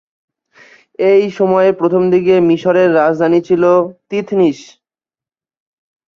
এই সময়ের প্রথমদিকে মিশরের রাজধানী ছিল তিথনিস।